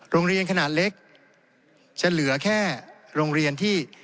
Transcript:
โรงเรียนขนาดเล็กจะเหลือแค่โรงเรียนที่